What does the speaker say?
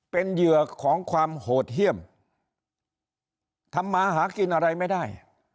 เป็นเหยื่อของความโหดเยี่ยมทำมาหากินอะไรไม่ได้